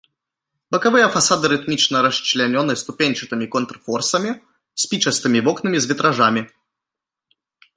Бакавыя фасады рытмічна расчлянёны ступеньчатымі контрфорсамі, спічастымі вокнамі з вітражамі.